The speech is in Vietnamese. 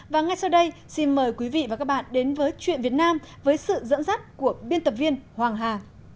và ngay sau đây xin mời quý vị và các bạn đến với chuyện việt nam với sự dẫn dắt của biên tập viên hoàng hà